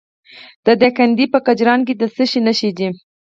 د دایکنډي په کجران کې د څه شي نښې دي؟